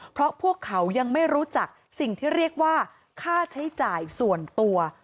เพราะพวกเขายังไม่รู้จักสิ่งที่เรียกว่าค่าใช้จ่ายส่วนตัว